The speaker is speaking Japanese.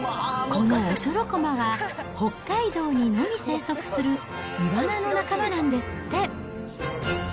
このオショロコマは北海道にのみ生息するイワナの仲間なんですって。